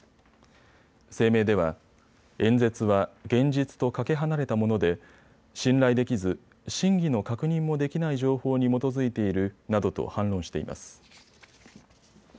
声明では、演説は現実とかけ離れたもので信頼できず真偽の確認もできない情報に基づいているなどと反論しています。